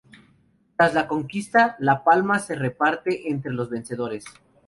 Tras la conquista, La Palma se reparte entre los vencedores.